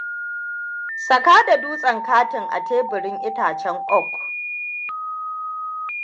Saka da dutsen katin a teburin itacen oak.